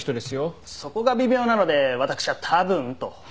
そこが微妙なので私は「たぶん」と。